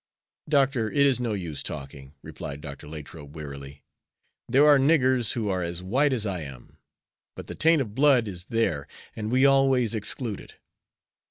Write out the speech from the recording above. "Doctor, it is no use talking," replied Dr. Latrobe, wearily. "There are niggers who are as white as I am, but the taint of blood is there and we always exclude it."